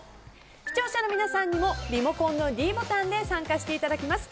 視聴者の皆さんにもリモコンのｄボタンで参加していただきます。